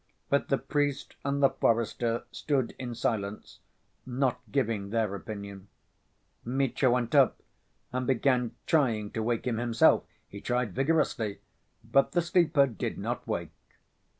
But the priest and the forester stood in silence, not giving their opinion. Mitya went up and began trying to wake him himself; he tried vigorously, but the sleeper did not wake.